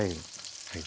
はい。